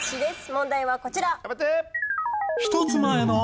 問題はこちら。